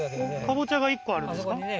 かぼちゃが１個あるんですか？